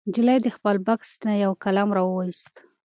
نجلۍ د خپل بکس نه یو قلم راوویست.